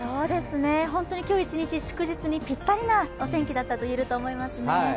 本当に今日一日、祝日にぴったりなお天気だったといえると思いますね。